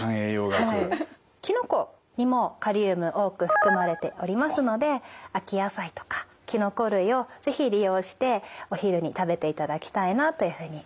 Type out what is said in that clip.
きのこにもカリウム多く含まれておりますので秋野菜とかきのこ類を是非利用してお昼に食べていただきたいなというふうに思っています。